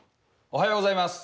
おはようございます。